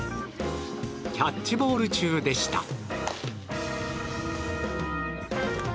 キャッチボール中でした。